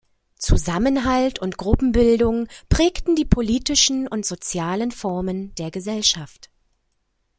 Zusammenhalt und Gruppenbildung prägten die politischen und sozialen Formen der Gesellschaft.